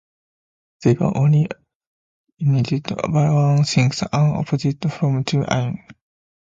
They were only united by one thing: an opposition to Amin.